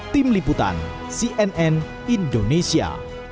tim liputan cnn indonesia